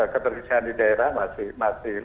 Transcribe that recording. keterisian di daerah masih